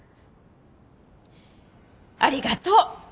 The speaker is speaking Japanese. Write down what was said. ありがとう。